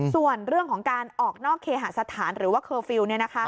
ส่วนเรื่องของการออกนอกเคหาสถานหรือว่าเคอร์ฟิลล์